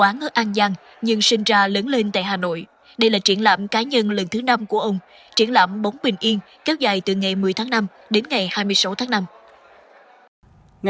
họa sĩ hồng quân quê quán ở an giang nhưng sinh ra lớn lên tại hà nội đây là triển lãm cá nhân lần thứ năm của ông triển lãm bóng bình yên kéo dài từ ngày một mươi tháng năm đến ngày hai mươi sáu tháng năm